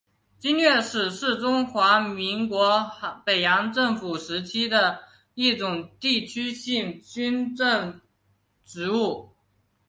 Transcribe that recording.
经略使是中华民国北洋政府时期的一种地区性军政职务。